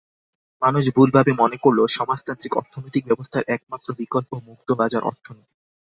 মানুষ ভুলভাবে মনে করল, সমাজতান্ত্রিক অর্থনৈতিক ব্যবস্থার একমাত্র বিকল্প মুক্তবাজার অর্থনীতি।